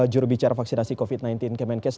jurubicara vaksinasi covid sembilan belas kemenkes